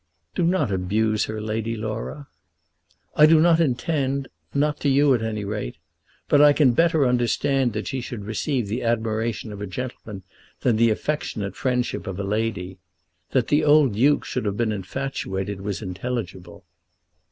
"Do not abuse her, Lady Laura." "I do not intend, not to you at any rate. But I can better understand that she should receive the admiration of a gentleman than the affectionate friendship of a lady. That the old Duke should have been infatuated was intelligible."